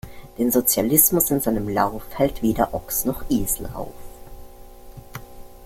Den Sozialismus in seinem Lauf, hält weder Ochs' noch Esel auf!